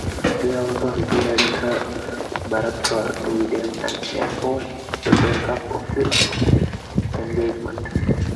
They also repudiated her betrothal to William and enforced the break-up of the engagement.